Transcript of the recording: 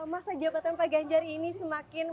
masa jabatan pak ganjar ini semakin